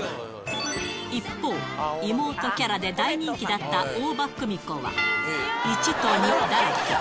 一方、妹キャラで大人気だった大場久美子は、１と２だらけ。